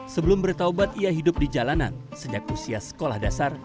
sebelum bertaubat ia hidup di jalanan sejak usia sekolah dasar